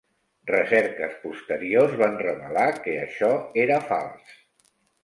Recerques posteriors van revelar que això era fals.